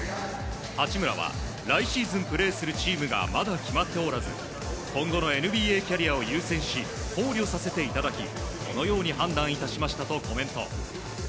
八村は来シーズンプレーするチームがまだ決まっておらず今後のＮＢＡキャリアを優先し考慮させていただきこのように判断いたしましたとコメント。